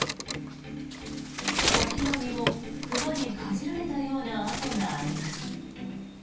柿の実も、熊にかじられたような跡があります。